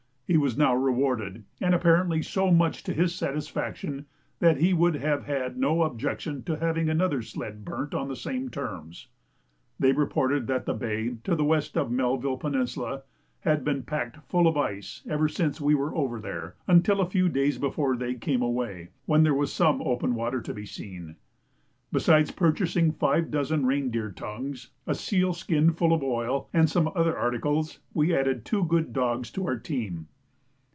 He was now rewarded, and apparently so much to his satisfaction that he would have had no objections to have another sledge burnt on the same terms. They reported that the bay, to the west of Melville Peninsula, had been packed full of ice ever since we were over there, until a few days before they came away, when there was some open water to be seen. Besides purchasing five dozen rein deer tongues, a seal skin full of oil, and some other articles, we added two good dogs to our team.